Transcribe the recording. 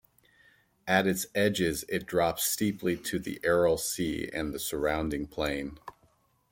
At its edges it drops steeply to the Aral Sea and the surrounding plain.